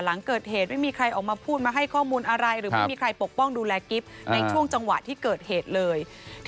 หลังเกิดเหตุไม่มีใครออกมาพูดมาให้ข้อมูลอะไรหรือไม่มีใครปกป้องดูแลกิฟต์ในช่วงจังหวะที่เกิดเหตุเลย